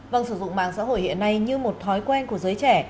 vâng sử dụng mạng xã hội hiện nay như một thói quen của giới trẻ